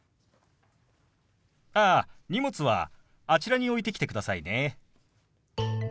ああ荷物はあちらに置いてきてくださいね。